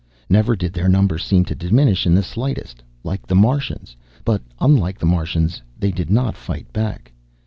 Never did their number seem to diminish in the slightest. Like the Martians but unlike the Martians, they did not fight back.